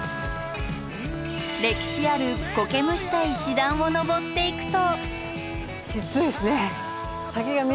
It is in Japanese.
歴史あるこけむした石段を登っていくと。